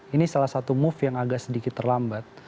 ini salah satu move yang agak sedikit terlambat